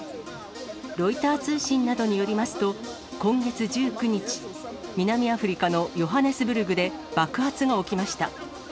ロイター通信などによりますと、今月１９日、南アフリカのヨハネスブルグで爆発が起きました。